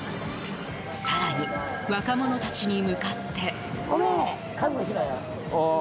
更に、若者たちに向かって。